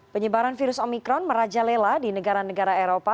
penyebaran virus omikron merajalela di negara negara eropa